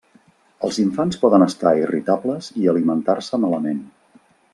Els infants poden estar irritables i alimentar-se malament.